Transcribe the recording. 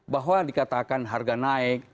bahwa dikatakan harga naik